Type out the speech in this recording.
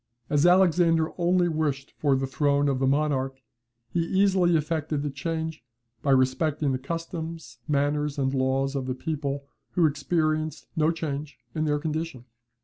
As Alexander only wished for the throne of the monarch, he easily effected the change, by respecting the customs, manners, and laws of the people, who experienced no change in their condition.